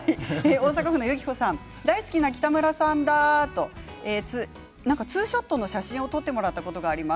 大阪府の方大好きな北村さんがツーショットの写真を撮ってもらったことがあります。